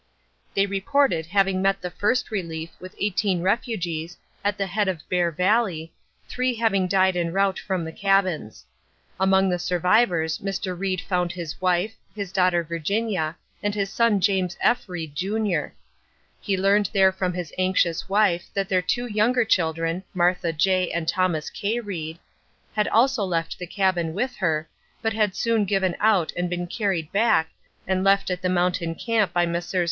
They reported having met the First Relief with eighteen refugees at the head of Bear Valley, three having died en route from the cabins. Among the survivors Mr. Reed found his wife, his daughter Virginia, and his son James F. Reed, Jr. He learned there from his anxious wife that their two younger children, Martha J. and Thomas K. Reed, had also left the cabin with her, but had soon given out and been carried back and left at the mountain camp by Messrs.